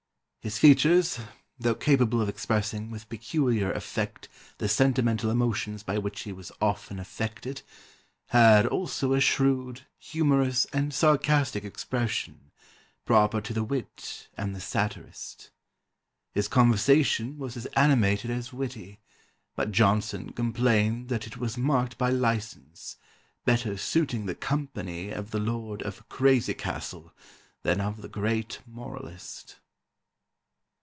His features, though capable of expressing with peculiar effect the sentimental emotions by which he was often affected, had also a shrewd, humorous, and sarcastic expression, proper to the wit and the satirist. His conversation was as animated as witty, but Johnson complained that it was marked by licence, better suiting the company of the Lord of Crazy Castle than of the great moralist."